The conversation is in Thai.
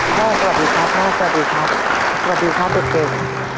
พ่อสวัสดีครับพ่อสวัสดีครับสวัสดีครับพี่เกม